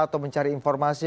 atau mencari informasi